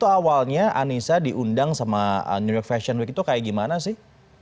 awalnya anissa diundang sama new york fashion week itu kayak gimana sih